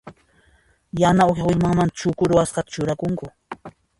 Yana uha willmamanta chukuta ruwasqata churakunku.